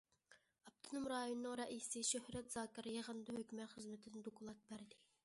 ئاپتونوم رايوننىڭ رەئىسى شۆھرەت زاكىر يىغىندا ھۆكۈمەت خىزمىتىدىن دوكلات بەردى.